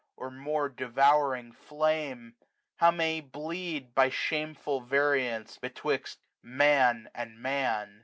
Or more devouring flame. How many bleed, 33a By shameful variance betwixt Man and Man.